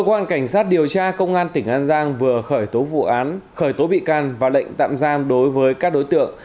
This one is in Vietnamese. cơ quan cảnh sát điều tra công an tỉnh an giang vừa khởi tố vụ án khởi tố bị can và lệnh tạm giam đối với các đối tượng